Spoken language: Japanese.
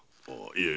いえ。